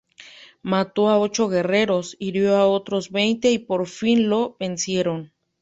Mató a ocho guerreros, hirió a otros veinte y por fin lo vencieron.